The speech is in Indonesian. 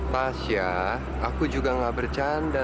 tasya aku juga gak bercanda